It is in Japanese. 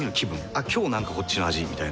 「あっ今日なんかこっちの味」みたいな。